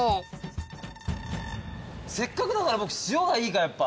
せっかくだから潮がいいかやっぱ。